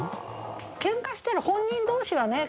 ケンカしてる本人同士はね